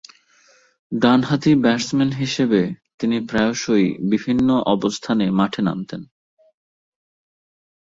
ডানহাতি ব্যাটসম্যান হিসেবে তিনি প্রায়শঃই বিভিন্ন অবস্থানে মাঠে নামতেন।